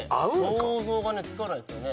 想像がつかないですよね